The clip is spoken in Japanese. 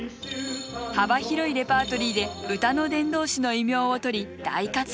幅広いレパートリーで「歌の伝道師」の異名をとり大活躍。